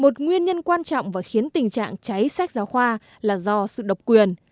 một nguyên nhân quan trọng và khiến tình trạng cháy sách giáo khoa là do sự độc quyền